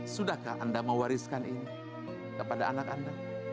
sudahkah anda mewariskan ini kepada anak anda